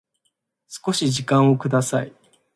少し時間をください